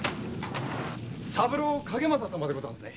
三郎景正様でござんすね。